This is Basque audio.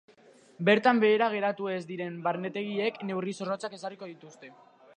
Bertan behera geratu ez diren barnetegiek neurri zorrotzak ezarriko dituzte.